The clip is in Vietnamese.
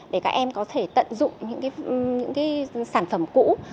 để các em có thể tận dụng những sản phẩm cũ